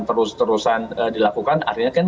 terus terusan dilakukan akhirnya kan